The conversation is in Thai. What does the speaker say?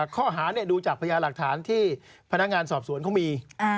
ข้อหาดูจากพญาหลักฐานที่พนักงานสอบสวนเขามี